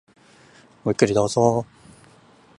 ごゆっくりどうぞ。